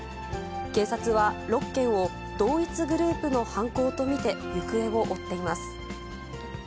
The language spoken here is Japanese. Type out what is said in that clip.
警察は、６件を同一グループの犯行と見て、行方を追っています。